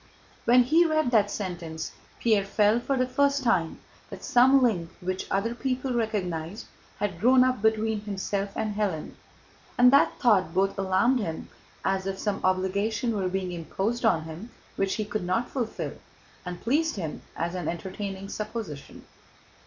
When he read that sentence, Pierre felt for the first time that some link which other people recognized had grown up between himself and Hélène, and that thought both alarmed him, as if some obligation were being imposed on him which he could not fulfill, and pleased him as an entertaining supposition.